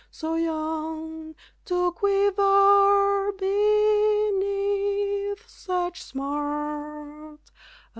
So young to quiver beneath such smart!